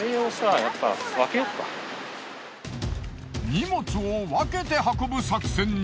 荷物を分けて運ぶ作戦に。